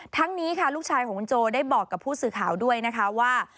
ทั้งนี้ค่ะลูกชายของคุณโจได้บอกกับผู้สื่อข่าวด้วยนะคะว่า